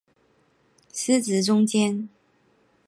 司职中坚。